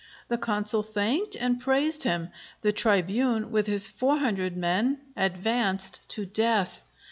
The consul thanked and praised him. The tribune, with his four hundred men, advanced to death.